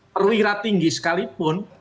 perwira tinggi sekalipun